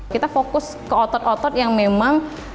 kita fokus ke otot otot yang memang